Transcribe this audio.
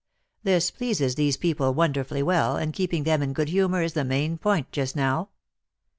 This pleases these people wonderfully well, and keep ing them in good humor is the main point just now.